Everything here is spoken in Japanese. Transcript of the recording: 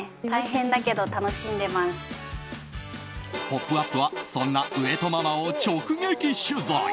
「ポップＵＰ！」はそんな上戸ママを直撃取材。